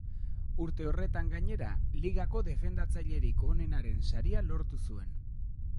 Urte horretan gainera, ligako defendatzailerik onenaren saria lortu zuen.